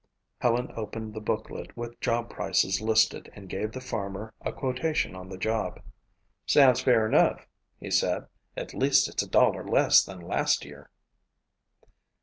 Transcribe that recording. Helen opened the booklet with job prices listed and gave the farmer a quotation on the job. "Sounds fair enough," he said. "At least it's a dollar less than last year."